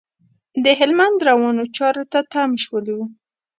د هلمند روانو چارو ته تم شولو.